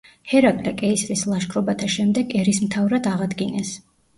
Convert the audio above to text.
ჰერაკლე კეისრის ლაშქრობათა შემდეგ ერისმთავრად აღადგინეს.